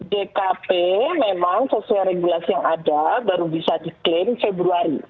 dkp memang sesuai regulasi yang ada baru bisa diklaim februari